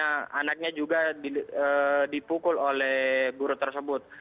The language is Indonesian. karena anaknya juga dipukul oleh guru tersebut